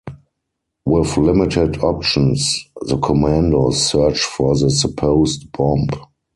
With limited options, the commandos search for the supposed bomb.